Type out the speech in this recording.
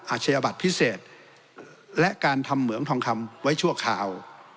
อาชญาบัตรพิเศษและการทำเหมืองทองคำไว้ชั่วคราว